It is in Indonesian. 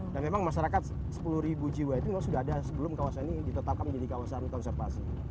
memang masyarakat sepuluh jiwa itu memang sudah ada sebelum kawasan ini ditetapkan menjadi kawasan konservasi